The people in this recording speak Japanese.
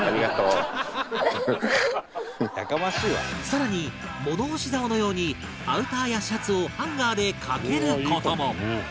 更に物干しざおのようにアウターやシャツをハンガーでかける事も